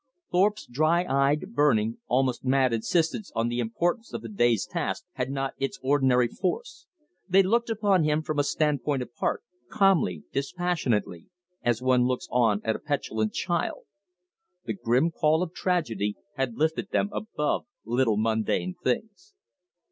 Thorpe's dry eyed, burning, almost mad insistence on the importance of the day's task had not its ordinary force. They looked upon him from a standpoint apart, calmly, dispassionately, as one looks on a petulant child. The grim call of tragedy had lifted them above little mundane things.